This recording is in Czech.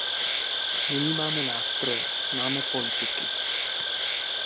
Nyní máme nástroje; máme politiky.